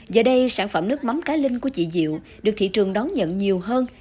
giờ đây sản phẩm nước mắm cá linh của chị diệu được thị trường đón nhận nhiều hơn